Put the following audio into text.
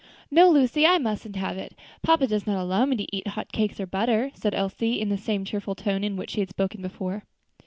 "No, Lucy, I mustn't have it. Papa does not allow me to eat hot cakes or butter," said Elsie, in the same cheerful tone in which she had spoken before.